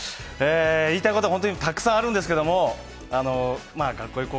言いたいことは本当にたくさんあるんですけれども「学校へ行こう！」